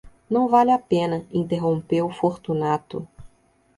Não vale a pena, interrompeu Fortunato.